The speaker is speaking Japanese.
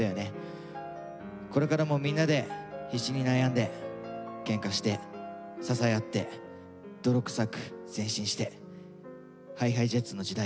これからもみんなで必死に悩んでけんかして支え合って泥臭く前進してＨｉＨｉＪｅｔｓの時代を作りましょう。